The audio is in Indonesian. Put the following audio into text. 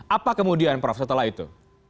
apa kemudian prof setelah itu